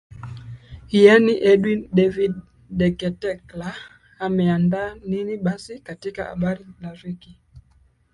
iani edwin david deketela ameandaa nini basi katika habari rafiki